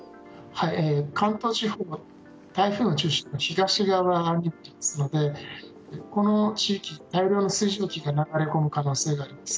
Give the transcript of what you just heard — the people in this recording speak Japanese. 関東地方、台風の中心が東側に位置しますのでこの地域、大量の水蒸気が流れ込む可能性があります。